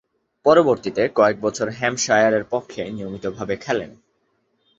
পরবর্তীতে কয়েকবছর হ্যাম্পশায়ারের পক্ষে নিয়মিতভাবে খেলেন।